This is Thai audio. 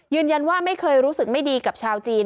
ยืนยันว่าไม่เคยรู้สึกไม่ดีกับชาวจีน